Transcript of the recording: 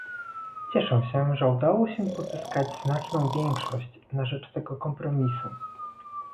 Cieszę się, że udało się pozyskać znaczną większość na rzecz tego kompromisu